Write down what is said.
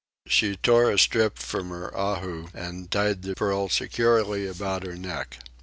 She tore a strip from her ahu and tied the pearl securely about her neck.